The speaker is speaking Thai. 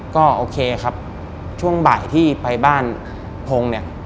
ก็โอเคครับช่วงบ่ายที่ไปบ้านพงศ์เนี่ย